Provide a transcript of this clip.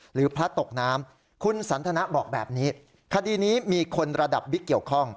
พลัดตกน้ำคุณสันทนะบอกแบบนี้คดีนี้มีคนระดับบิ๊กเกี่ยวข้อง